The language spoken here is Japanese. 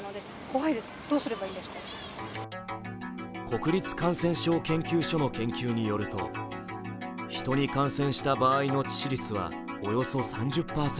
国立感染症研究所の研究によるとヒトに感染した場合の致死率はおよそ３０％。